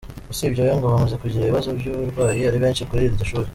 Usibye we, ngo bamaze kugira ibibazo by’uburwayi ari benshi kuri iryo shuri.